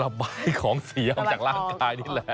ระบายของเสียมาจากร่างกายนี่แหละ